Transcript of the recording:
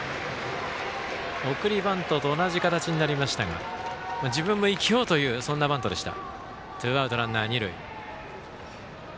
送りバントと同じ形になりましたが自分も生きようというそんなバントでした。